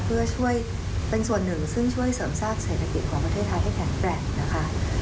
เพื่อช่วยเป็นส่วนหนึ่งซึ่งช่วยเสริมสร้างเศรษฐกิจของประเทศไทยให้แข็งแกร่งนะคะ